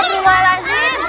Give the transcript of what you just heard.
itu gimana sih